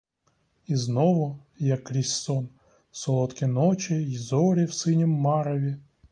І знову, як крізь сон, солодкі ночі й зорі в синім мареві.